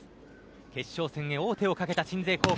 決勝戦に王手をかけた鎮西高校。